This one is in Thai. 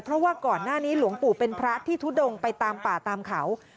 เพราะว่าก่อนหน้านี้หลวงปู่เป็นพระที่ทุดงไปตามป่าตามเขา